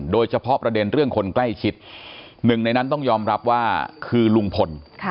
โดยเฉพาะประเด็นเรื่องคนใกล้ชิดหนึ่งในนั้นต้องยอมรับว่าคือลุงพล